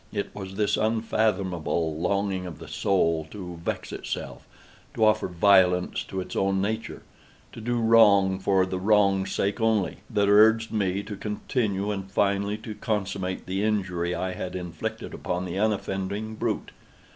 It was this unfathomable longing of the soul to vex itself—to offer violence to its own nature—to do wrong for the wrong's sake only—that urged me to continue and finally to consummate the injury I had inflicted upon the unoffending brute.